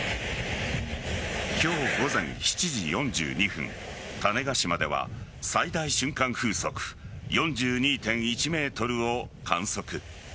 今日午前７時４２分、種子島では最大瞬間風速４２．１メートルを観測。